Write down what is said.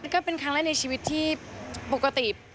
ก็เป็นครั้งแรกในชีวิตที่ปกติ